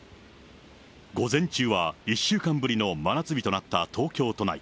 午前中は１週間ぶりの真夏日となった東京都内。